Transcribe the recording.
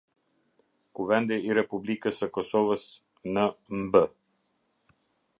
Kuvendi i Republikës së Kosovës: Në mbë.